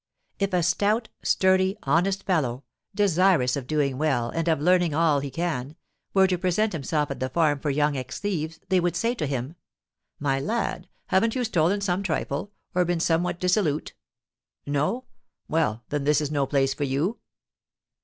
If a stout, sturdy, honest fellow, desirous of doing well, and of learning all he can, were to present himself at the farm for young ex thieves, they would say to him, 'My lad, haven't you stolen some trifle, or been somewhat dissolute?' 'No!' 'Well, then, this is no place for you.'"